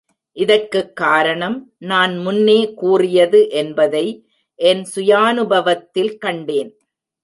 இதற்குக் காரணம், நான் முன்னே கூறியது என்பதை என் சுயானுபவத்தில் கண்டேன்.